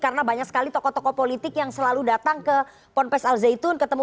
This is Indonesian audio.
karena banyak sekali tokoh tokoh politik yang selalu datang ke ponpes al zaitun ketemu